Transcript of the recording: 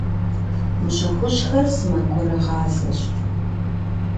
Мыщэ хужьхэр сэмэгурыгъазэщ.